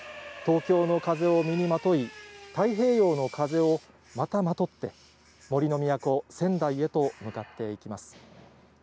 東京の風を身にまとい、太平洋の風をまたまとって、杜の都仙台へと向かっていきます。